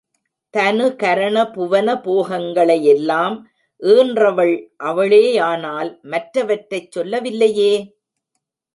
தனு கரண புவன போகங்களை எல்லாம் ஈன்றவள் அவளேயானால் மற்றவற்றைச் சொல்லவில்லையே?